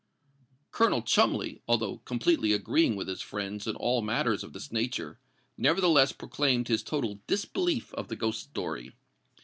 Colonel Cholmondeley, although completely agreeing with his friends in all matters of this nature, nevertheless proclaimed his total disbelief of the ghost story.